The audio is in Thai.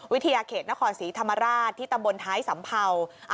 วิทยาเขตนครสีธรรมราชที่ตำบลไทสัมภัวร์